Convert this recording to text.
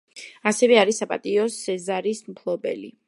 ასევე არის საპატიო სეზარის მფლობელი.